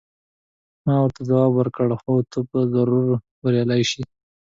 ما ورته ځواب ورکړ: هو، ته به ضرور بریالۍ شې.